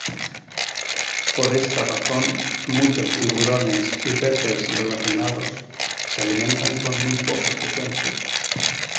Por esta razón, muchos tiburones y peces relacionados se alimentan con muy poca frecuencia.